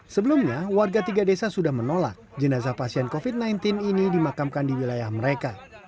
sebelumnya warga tiga desa sudah menolak jenazah pasien covid sembilan belas ini dimakamkan di wilayah mereka